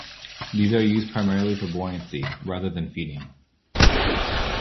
These are used primarily for buoyancy, rather than feeding.